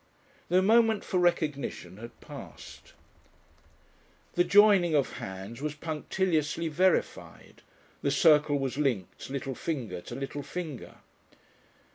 The moment for recognition had passed. The joining of hands was punctiliously verified, the circle was linked little finger to little finger.